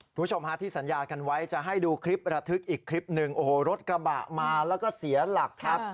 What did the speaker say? คุณผู้ชมฮะที่สัญญากันไว้จะให้ดูคลิประทึกอีกคลิปหนึ่งโอ้โหรถกระบะมาแล้วก็เสียหลักครับ